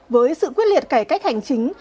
với sự quyết liệt cải cách hành chính